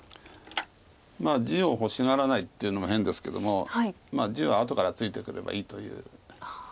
地を欲しがらないっていうのも変ですけども地は後からついてくればいいという。